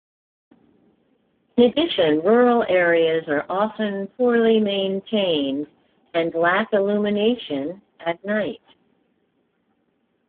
In addition, rural areas are often poorly maintained and lack illumination at night.